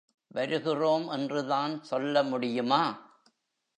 வருகிறோம் என்றுதான் சொல்லமுடியுமா?